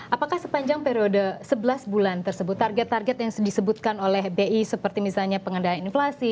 apakah sepanjang periode sebelas bulan tersebut target target yang disebutkan oleh bi seperti misalnya pengendalian inflasi